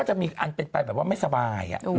จะมีอันเป็นไปแบบว่าไม่สบาย